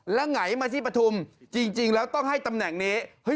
แล้วไงมาที่ปฐุมจริงแล้วต้องให้ตำแหน่งนี้